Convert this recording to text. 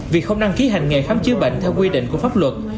vì không đăng ký hành nghề khám chứa bệnh theo quy định của pháp luật